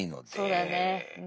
そうだよね。